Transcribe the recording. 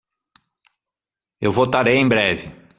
Eu voltarei em breve.